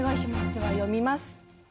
では読みます。